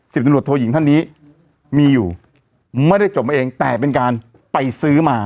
ตำรวจโทยิงท่านนี้มีอยู่ไม่ได้จบมาเองแต่เป็นการไปซื้อมา